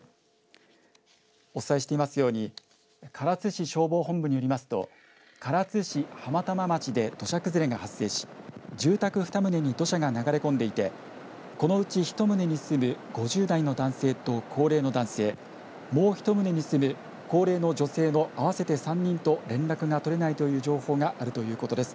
お伝えしていますように唐津市消防本部によりますと唐津市浜玉町で土砂崩れが発生し住宅２棟に土砂が流れ込んでいてこのうち１棟に住む５０代の男性と高齢の男性、もう１棟に住む高齢の女性の合わせて３人と連絡が取れないという情報があるということです。